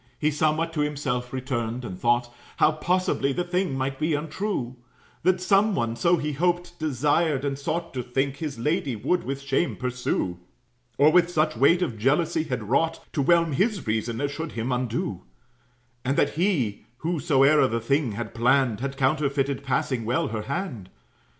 He somewhat to himself returned, and thought How possibly the thing might be untrue: That some one (so he hoped, desired, and sought To think) his lady would with shame pursue; Or with such weight of jealousy had wrought To whelm his reason, as should him undo; And that he, whosoe'er the thing had planned, Had counterfeited passing well her hand.